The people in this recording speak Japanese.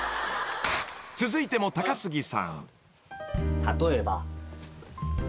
［続いても高杉さん］